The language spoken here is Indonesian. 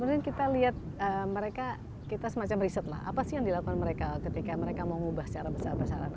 kemudian kita lihat mereka kita semacam riset lah apa sih yang dilakukan mereka ketika mereka mau mengubah secara besar besaran